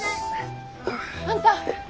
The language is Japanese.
あんた！